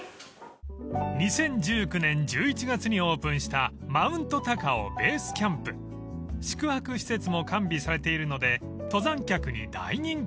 ［２０１９年１１月にオープンしたＭｔ．ＴＡＫＡＯＢＡＳＥＣＡＭＰ］［宿泊施設も完備されているので登山客に大人気］